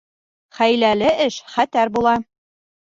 Хәйләле эш хәтәр була.